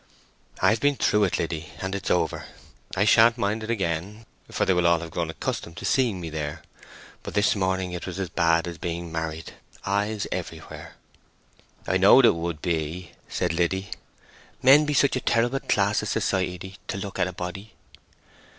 "I've been through it, Liddy, and it is over. I shan't mind it again, for they will all have grown accustomed to seeing me there; but this morning it was as bad as being married—eyes everywhere!" "I knowed it would be," Liddy said. "Men be such a terrible class of society to look at a body."